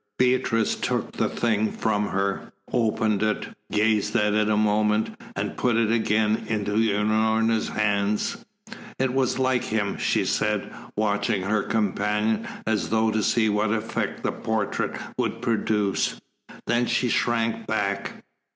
Beatrice took the thing from her, opened it, gazed at it a moment, and put it again into Unorna's hands. "It was like him," she said, watching her companion as though to see what effect the portrait would produce. Then she shrank back.